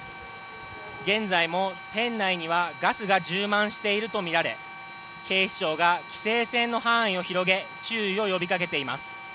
現在も店内にはガスが充満しているとみられ警視庁が規制線の範囲を広げ注意を呼びかけています。